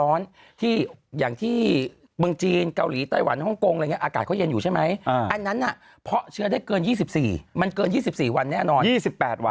เป็นประเทศร้อนที่อย่างที่เมืองจีนเกาหลีไต้หวันห้องคงอะไรอย่างนี้อากาศเขาเย็นอยู่ใช่ไหมอันนั้นอ่ะเพราะเชื้อได้เกินยี่สิบสี่มันเกินยี่สิบสี่วันแน่นอนยี่สิบแปดวัน